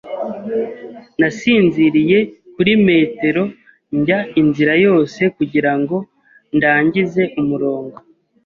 Nasinziriye kuri metero njya inzira yose kugirango ndangize umurongo.